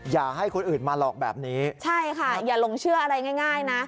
อย่าให้คนอื่นมาหลอกแบบนี้ใช่ค่ะอย่าหลงเชื่ออะไรง่ายนะ